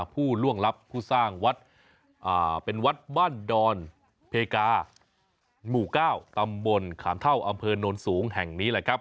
ผู้ล่วงลับผู้สร้างวัดเป็นวัดบ้านดอนเพกาหมู่๙ตำบลขามเท่าอำเภอโนนสูงแห่งนี้แหละครับ